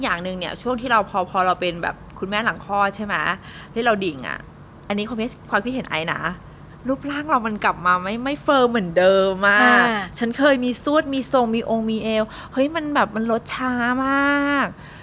อันนี้ความคิดเห็นไอนะรูปร่างเรามันกลับมาไม่ไม่เฟิร์มเหมือนเดิมมากอ่าฉันเคยมีซูดมีทรงมีโอมีเอวเฮ้ยมันแบบมันลดช้ามาก